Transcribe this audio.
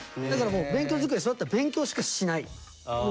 だからもう勉強机座ったら勉強しかしない。